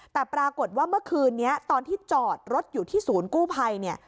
แต่ปรากฏว่าเมื่อคืนนี้ตอนที่จอดรถอยู่ที่ศูนย์กู้ภัยเนี่ย